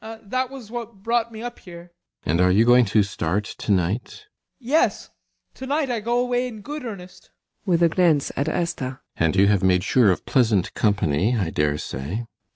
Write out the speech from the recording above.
That was what brought me up here. ALLMERS. And you are going to start to night? BORGHEIM. Yes. To night I go away in good earnest. ALLMERS. [With a glance at ASTA.] And you have made sure of pleasant company, I daresay.